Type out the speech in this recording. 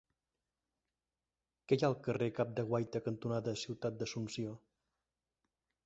Què hi ha al carrer Cap de Guaita cantonada Ciutat d'Asunción?